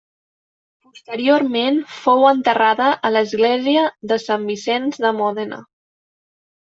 Posteriorment fou enterrada a l'Església de Sant Vicenç de Mòdena.